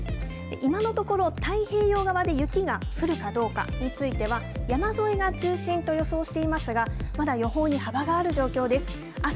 今のところ、太平洋側で雪が降るかどうかについては、山沿いが中心と予想していますが、まだ予報に幅がある状況です。